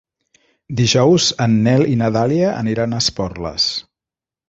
Dijous en Nel i na Dàlia aniran a Esporles.